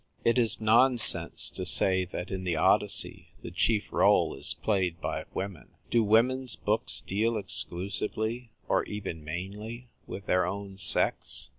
It is nonsense to say that in the Odyssey the chief role is played by women. Do women's books deal exclu sively, or even mainly, with their own sex